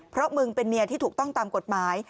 เพราะมึงเป็นเมียที่ถูกต้องตามกฎหมาย